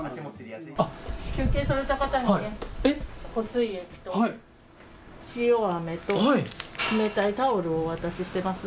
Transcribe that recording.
休憩された方に、補水液と塩あめと冷たいタオルをお渡ししてます。